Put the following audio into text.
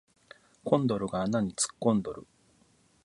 コンドルが穴に突っ込んどる